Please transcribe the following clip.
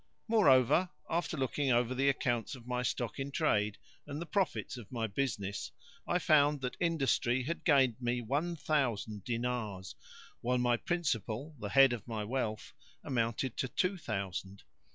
Moreover, after looking over the accounts of my stock in trade and the profits of my business, I found that industry had gained me one thousand dinars, while my principal, the head of my wealth, amounted to two thousand.